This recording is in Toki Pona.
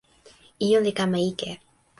ijo li kama ike.